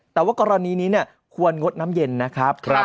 แต่ว่ากรณีนี้ควรงดน้ำเย็นนะครับ